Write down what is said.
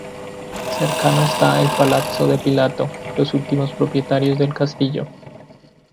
Cercano está el Palazzo de Pilato, los últimos propietarios del castillo.